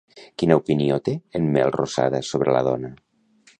Quina opinió té en Melrosada sobre la dona?